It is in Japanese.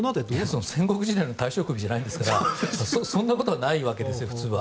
戦国時代の大将首じゃないんですからそんなことはないわけですよ普通は。